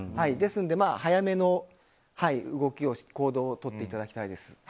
ですので早めの行動をとっていただきたいです。